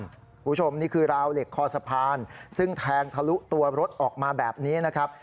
คุณผู้ชมนี่คือราวเหล็กคอสะพานซึ่งแทงทะลุตัวรถออกมาแบบนี้นะครับ